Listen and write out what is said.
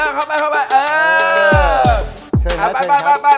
เข้าไปเข้าไป